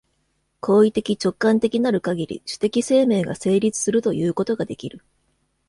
行為的直観的なるかぎり、種的生命が成立するということができる。